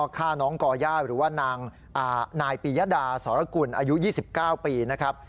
ฆ่าน้องก่อย่าหรือว่านางนายปียดาสรกุลอายุ๒๙ปีนะครับ